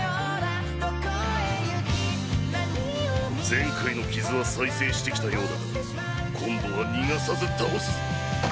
前回の傷は再生してきたようだが今度は逃がさず倒す！